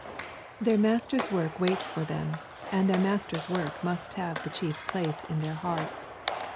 Their Master's work waits for them, and their Master's work must have the chief place in their hearts.